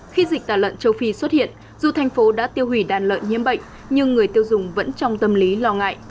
khi dịch tà lợn châu phi xuất hiện dù thành phố đã tiêu hủy đàn lợn nhiễm bệnh nhưng người tiêu dùng vẫn trong tâm lý lo ngại